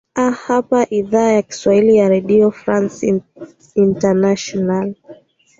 aa hapa idhaa ya kiswahili ya redio france international